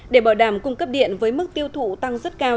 để bảo đảm cung cấp điện với mức tiêu thụ tăng rất cao